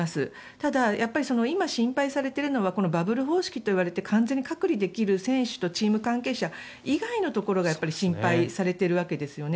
ただ、今、心配されているのはバブル方式と言われて完全に隔離できる選手とチーム関係者以外のところが心配されているわけですよね。